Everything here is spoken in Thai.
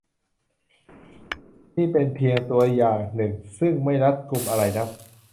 นี่เป็นเพียงตัวอย่างหนึ่งซึ่งไม่รัดกุมอะไรนัก